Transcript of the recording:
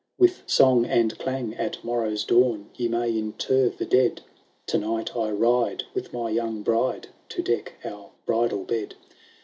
XLI "With song and clang, at morrow's dawn, Ye may inter the dead : To night I ride, with my young bride, To deck our bridal bed.